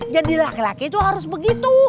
jadi laki laki tuh harus begitu